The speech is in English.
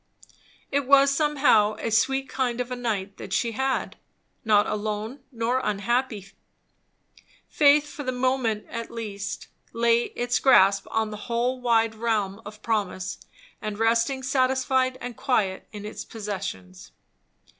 It was somehow a sweet kind of a night that she had; not alone nor unhappy; faith, for the moment at least, laying its grasp on the whole wide realm of promise and resting satisfied and quiet in its possessions.